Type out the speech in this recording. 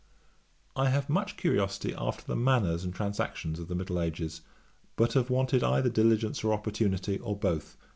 'I have much curiosity after the manners and transactions of the middle ages, but have wanted either diligence or opportunity, or both.